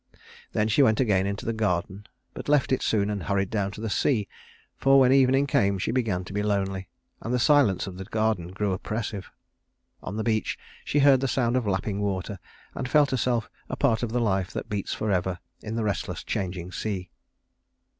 Then she went again into the garden, but left it soon and hurried down to the sea; for when evening came on, she began to be lonely, and the silence of the garden grew oppressive. On the beach she heard the sound of lapping water and felt herself a part of the life that beats forever in the restless changing sea.